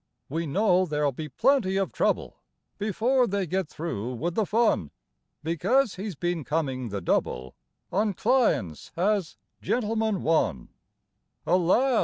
We know there'll be plenty of trouble Before they get through with the fun, Because he's been coming the double On clients, has "Gentleman, One". Alas!